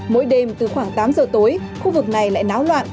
mỗi đêm từ khoảng tám giờ tối khu vực này lại náo loạn